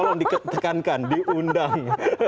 tolong diketekankan diundang